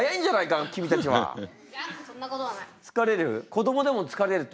子供でも疲れると。